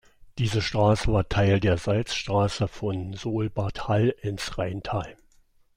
Diese Straße war Teil der Salzstraße von Solbad Hall ins Rheintal.